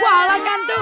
walau kan tuh